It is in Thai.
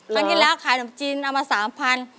ตอนนี้แล้วขายหนมจินเอามา๓๐๐๐